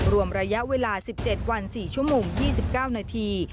รวมระยะเวลา๑๗วัน๔ชั่วโมง๒๙นาที